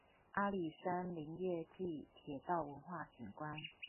阿里山林業暨鐵道文化景觀